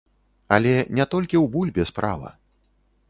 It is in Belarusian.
Але не толькі ў бульбе справа.